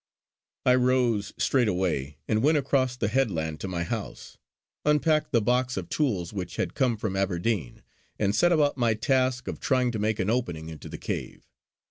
I rose straightway and went across the headland to my house, unpacked the box of tools which had come from Aberdeen, and set about my task of trying to make an opening into the cave.